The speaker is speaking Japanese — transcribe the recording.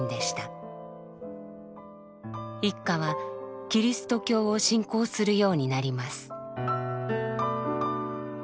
一家はキリスト教を信仰するようになります。